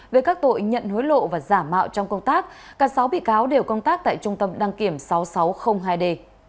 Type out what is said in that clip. về các tội nhận hối lộ và giả mạo trong công tác cả sáu bị cáo đều công tác tại trung tâm đăng kiểm sáu nghìn sáu trăm linh hai d